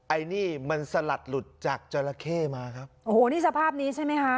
ไอ้นี่มันสลัดหลุดจากจราเข้มาครับโอ้โหนี่สภาพนี้ใช่ไหมคะ